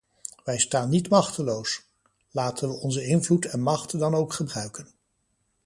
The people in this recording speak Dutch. Wij staan niet machteloos; laten we onze invloed en macht dan ook gebruiken.